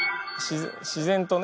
自然とね。